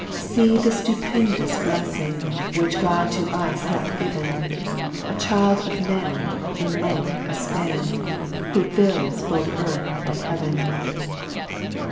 See the flupcndous Bleffing, Which God to us hath given : A child of man, In length a fpan, Who fills both earth and heaven.